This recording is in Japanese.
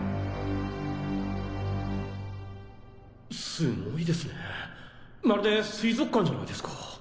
すごいですねまるで水族館じゃないですか。